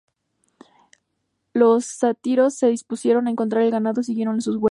Los sátiros se dispusieron a encontrar el ganado, siguiendo sus huellas.